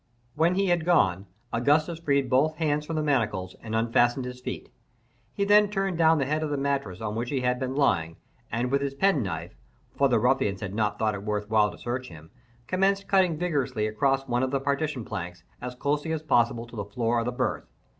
When he had gone, Augustus freed both hands from the manacles and unfastened his feet. He then turned down the head of the mattress on which he had been lying, and with his penknife (for the ruffians had not thought it worth while to search him) commenced cutting vigorously across one of the partition planks, as closely as possible to the floor of the berth.